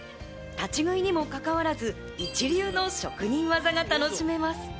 立ち食いにもかかわらず一流の職人技が楽しめます。